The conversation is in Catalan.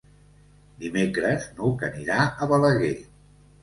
Dimecres n'Hug anirà a Balaguer.